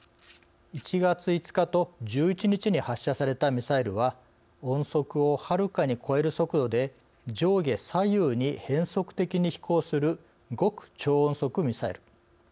１月５日と１１日に発射されたミサイルは音速をはるかに超える速度で上下左右に変則的に飛行する極超音速ミサイル。